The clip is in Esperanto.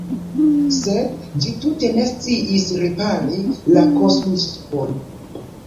Sed, ĝi tute ne sciis ripari la kosmoŝipon.